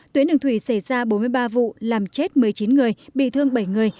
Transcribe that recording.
tuyến đường thủy xảy ra bốn mươi ba vụ làm chết một mươi chín người bị thương bảy người